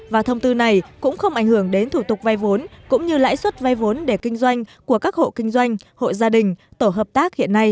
và thông tư này cũng không ảnh hưởng đến thủ tục vay vốn cũng như lãi suất vay vốn để kinh doanh của các hộ kinh doanh hội gia đình tổ hợp tác hiện nay